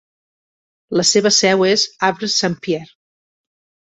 La seva seu és Havre-Saint-Pierre.